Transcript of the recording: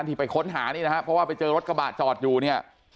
ที่ไปค้นหานี่นะครับเพราะว่าไปเจอรถกระบะจอดอยู่เนี่ย